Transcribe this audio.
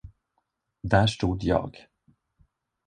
Där stod jag.